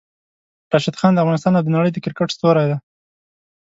راشد خان د افغانستان او د نړۍ د کرکټ ستوری ده!